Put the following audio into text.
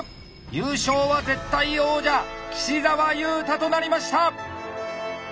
優勝は絶対王者岸澤裕太となりました。